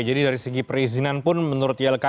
jadi dari segi perizinan pun menurut ilki